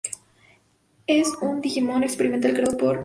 Es un digimon experimental creado por Yggdrasil.